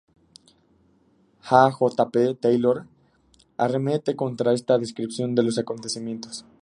A. J. P. Taylor arremete contra esta descripción de los acontecimientos.